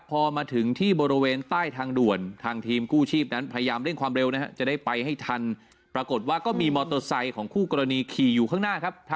พอมาถึงที่บริเวณใต้ทางด่วน